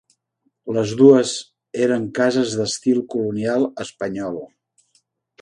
Les dues eren cases d'estil colonial espanyol.